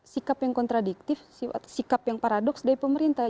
sikap yang kontradiktif sikap yang paradoks dari pemerintah